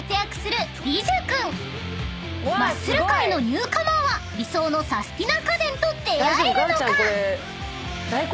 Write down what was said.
［マッスル界のニューカマーは理想のサスティな家電と出合えるのか？］